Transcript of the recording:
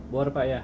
boleh pak ya